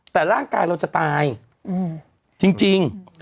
แต่ร่างกายเราจะตายจริง